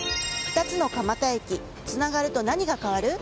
２つの蒲田駅つながると何が変わる？